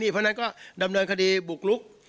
เพราะฉะนั้นก็ดำเนินคดีบุกลุก